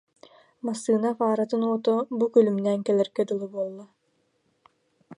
Массыына фаратын уота бу күлүмнээн кэлэргэ дылы буолла